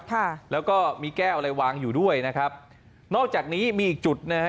ค่ะแล้วก็มีแก้วอะไรวางอยู่ด้วยนะครับนอกจากนี้มีอีกจุดนะฮะ